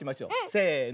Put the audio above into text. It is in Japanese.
せの。